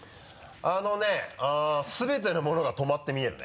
あのね全てのものが止まって見えるね。